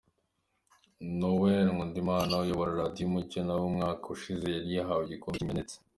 Noel Nkundimana uyobora Radio Umucyo nawe umwaka ushize yari yahawe igikombe kimenetse.